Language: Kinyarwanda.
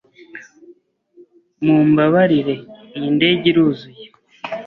Mumbabarire, iyi ndege iruzuye.